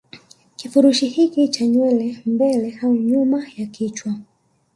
Kifurushi hiki cha nywele mbele au nyuma ya kichwa